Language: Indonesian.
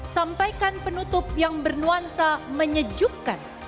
sampaikan penutup yang bernuansa menyejukkan